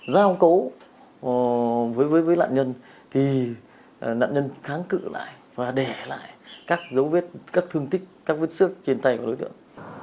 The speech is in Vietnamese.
giao cấu với nạn nhân thì nạn nhân kháng cự lại và đẻ lại các dấu vết các thương tích các vết xước trên tay của đối tượng